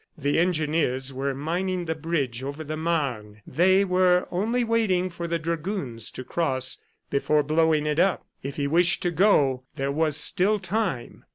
The engineers were mining the bridge over the Marne. They were only waiting for the dragoons to cross before blowing it up. If he wished to go, there was still time.